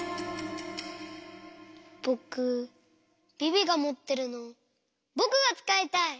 ぼくビビがもってるのぼくがつかいたい！